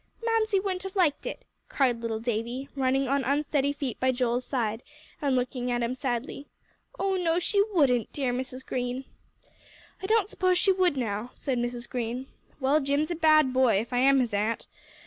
"Mamsie wouldn't have liked it," cried little Davie, running on unsteady feet by Joel's side, and looking at him sadly. "Oh, no, she wouldn't, dear Mrs. Green." "I don't s'pose she would now," said Mrs. Green. "Well, Jim's a bad boy, if I am his a'nt.